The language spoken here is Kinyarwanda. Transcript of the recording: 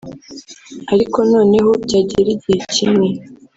ariko noneho byagera igihe kimwe